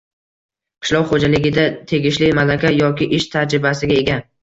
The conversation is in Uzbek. Qishloq xoʼjaligida tegishli malaka yoki ish tajribasiga ega